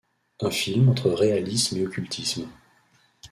Un film entre réalisme et occultisme.